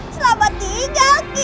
selamat tinggal ki